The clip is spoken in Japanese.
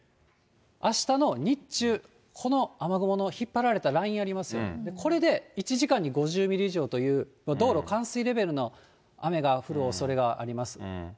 あしたの日中、この雨雲の引っ張られたラインありますよね、これで１時間に５０ミリ以上という道路冠水レベルの雨が降るおそれがあります。